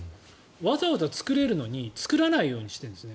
わざわざ作れるのに作らないようにしているんです。